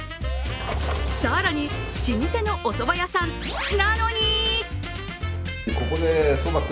更に、老舗のおそば屋さんな・の・に！